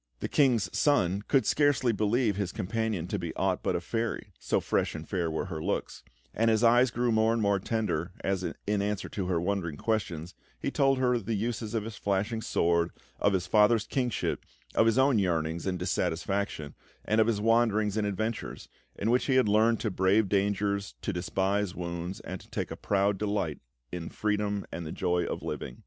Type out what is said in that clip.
The King's Son could scarce believe his companion to be aught but a fairy, so fresh and fair were her looks; and his eyes grew more and more tender as, in answer to her wondering questions, he told her the uses of his flashing sword, of his father's kingship, of his own yearnings and dissatisfaction, and of his wanderings and adventures, in which he had learned to brave dangers, to despise wounds, and to take a proud delight in freedom and the joy of living.